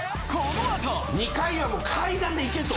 ２階はもう階段で行けと。